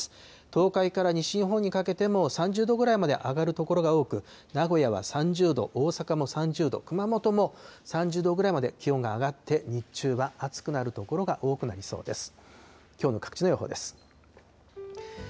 東海から西日本にかけても、３０度ぐらいまで上がる所が多く、名古屋は３０度、大阪も３０度、熊本も３０度ぐらいまで気温が上がって、日中は暑くなる所が多くなりそうです。